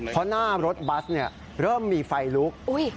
เพราะหน้ารถบัสเริ่มมีไฟลุก